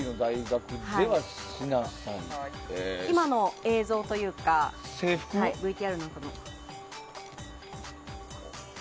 今の映像というかＶＴＲの中にも。